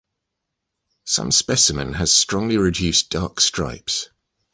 Some specimen has strongly reduced dark stripes.